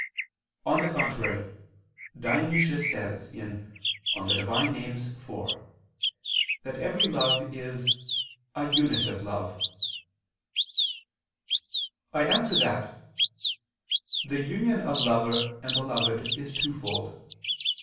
On the contrary, Dionysius says (Div. Nom. iv) that every love is a "unitive love." I answer that, The union of lover and beloved is twofold.